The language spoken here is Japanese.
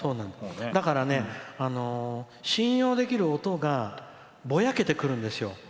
だから信用できる音がぼやけてくるんですよ。